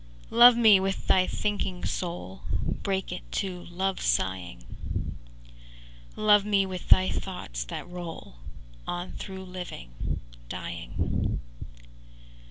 VII Love me with thy thinking soul, Break it to love sighing; Love me with thy thoughts that roll On through living dying.